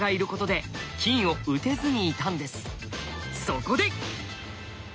そこで！